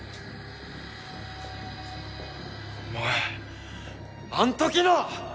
お前あん時の！